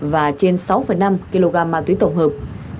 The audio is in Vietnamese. và trên sáu năm kg ma túy tổng hợp